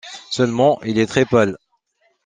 Seulement il est très-pâle.